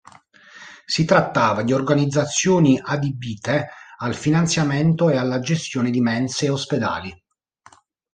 Si trattava di organizzazioni adibite al finanziamento e alla gestione di mense e ospedali.